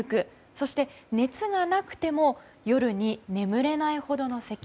そして、熱がなくても夜に眠れないほどのせき。